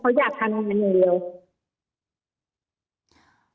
เค้าเครียดเรื่องอะไรนะคะ